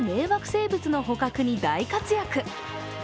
生物の捕獲に大活躍。